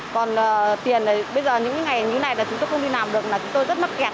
còn tiền bây giờ những ngày như này là chúng tôi không đi làm được là chúng tôi rất mắc kẹt